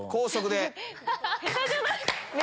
下手じゃない？